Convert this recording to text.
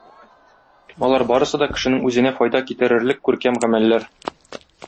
Алар барысы да кешенең үзенә файда китерерлек күркәм гамәлләр.